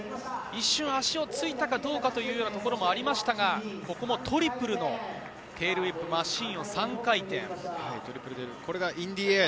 一瞬足をついたかどうかというようなところもありましたが、トリプルのテールウィップ、マシン。